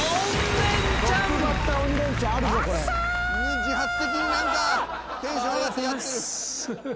自発的に何かテンション上がってやってる。